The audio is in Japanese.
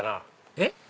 えっ？